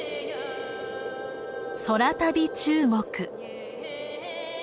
「空旅中国」。